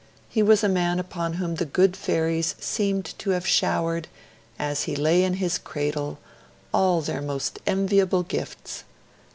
He was a man upon whom the good fairies seemed to have showered, as he lay in his cradle, all their most enviable goods.